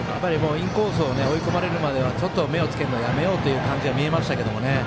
インコースを追い込まれるまでは目をつけるのはやめようというのは感じましたけれどもね。